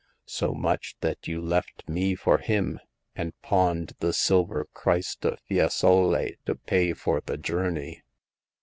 So much that you left me for him, and pawned the silver Christ of Fiesole to pay for the journey."